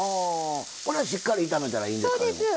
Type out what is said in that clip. これはしっかり炒めたらいいんですか？